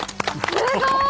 すごーい！